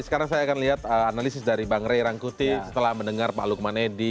sekarang saya akan lihat analisis dari bang ray rangkuti setelah mendengar pak lukman edi